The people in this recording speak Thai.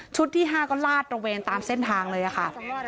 ที่๕ก็ลาดตระเวนตามเส้นทางเลยค่ะ